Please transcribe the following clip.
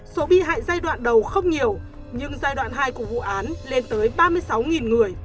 số bị hại giai đoạn đầu không nhiều nhưng giai đoạn hai của vụ án lên tới ba mươi sáu người